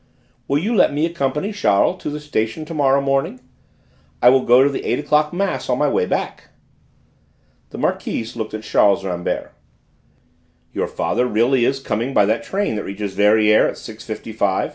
"Will you let me accompany Charles to the station to morrow morning? I will go to the eight o'clock mass on my way back." The Marquise looked at Charles Rambert. "Your father really is coming by the train that reaches Verrières at 6.55?"